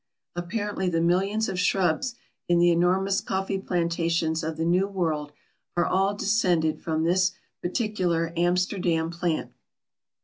Apparently the millions of shrubs in the enormous coffee plantations of the New World are all descended from this particular Amsterdam plant.